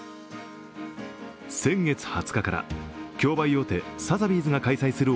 先月２０日から競売大手サザビーズが開催する